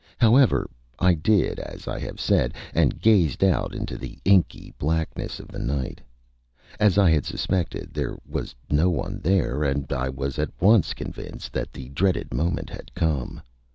However, I did as I have said, and gazed out into the inky blackness of the night. As I had suspected, there was no one there, and I was at once convinced that the dreaded moment had come.